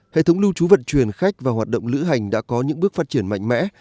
hệ thống lưu trú vận chuyển khách và hoạt động lữ hành đã có những bước phát triển mạnh mẽ